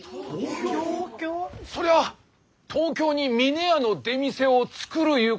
そりゃあ東京に峰屋の出店を作るゆうことですろうか？